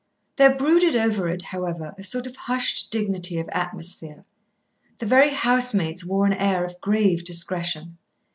There brooded over it, however, a sort of hushed dignity of atmosphere. The very housemaids wore an air of grave discretion.